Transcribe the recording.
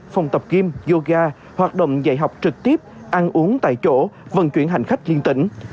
phòng tập kim yoga hoạt động dạy học trực tiếp ăn uống tại chỗ vận chuyển hành khách liên tỉnh